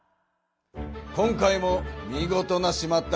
今回もみごとな「しまった！」